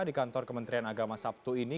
di kantor kementerian agama sabtu ini